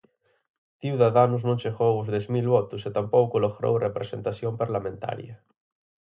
Ciudadanos non chegou aos dez mil votos e tampouco logrou representación parlamentaria.